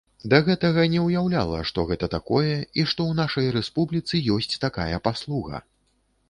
Да гэтага не ўяўляла, то гэта такое і што ў нашай рэспубліцы ёсць такая паслуга.